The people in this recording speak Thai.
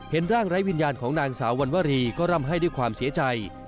ร่างไร้วิญญาณของนางสาววันวรีก็ร่ำให้ด้วยความเสียใจ